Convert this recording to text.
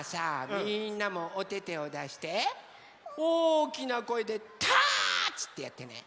みんなもおててをだしておおきなこえで「ターッチ！」ってやってね！